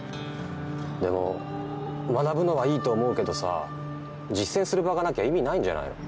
でも学ぶのはいいと思うけどさ実践する場がなきゃ意味ないんじゃないの？